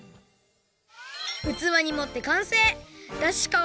うつわにもってかんせい！